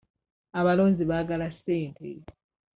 Abalonzi baagala ssente.